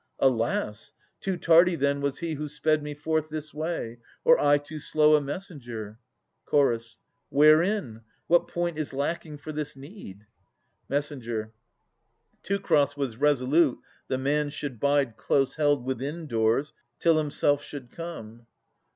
Alas! Too tardy then was he who sped me forth This way; or I too slow a messenger. Ch. Wherein ? what point is lacking for this need ? Mess. Teucer was resolute the man should bide Close held within doors till himself should come.